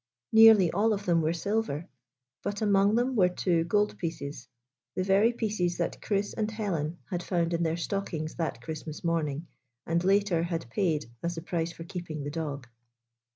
Nearly all of them were silver, but among them were two goldpieces — the very pieces that Chris and Helen had found in their stockings that Christ mas morning, and later had paid as the price for keeping the dog.